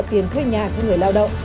tiền thuê nhà cho người lao động